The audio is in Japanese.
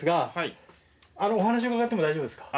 お話伺っても大丈夫ですか？